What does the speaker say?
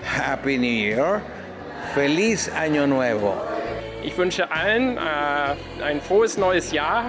hãy đại dịch trung quốc